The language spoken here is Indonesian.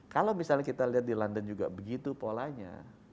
kalau misalnya kita lihat di london juga begitu polanya